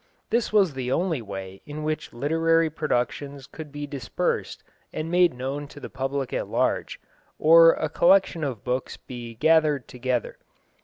This was the only way in which literary productions could be dispersed and made known to the public at large, or a collection of books be gathered together.